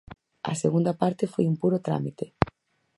A segunda parte foi un puro trámite.